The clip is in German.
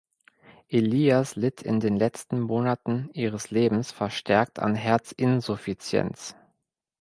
Elias litt in den letzten Monaten ihres Lebens verstärkt an Herzinsuffizienz.